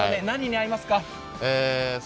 何に合いますか？